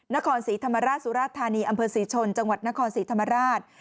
นครศรีธรรมราชสุราธานีอำเภอศรีชนจังหวัดนครศรีธรรมราช